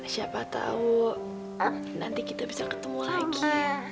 siapa tahu nanti kita bisa ketemu lagi